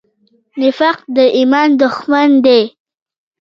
نفاق د ایمان دښمن دی.